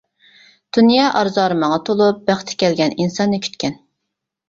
دۇنيا ئارزۇ-ئارمانغا تولۇپ، بەختى كەلگەن ئىنساننى كۈتكەن.